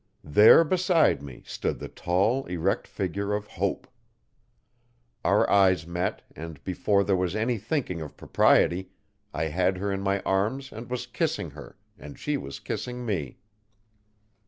There, beside me, stood the tall, erect figure of Hope. Our eyes met and, before there was any thinking of propriety, I had her in my arms and was kissing her and she was kissing me.